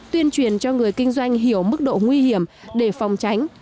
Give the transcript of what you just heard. tuyên truyền cho người kinh doanh hiểu mức độ nguy hiểm để phòng tránh